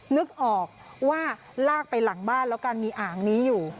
นึกออกว่าลากไปหลังบ้านแล้วกันมีอ่างนี้อยู่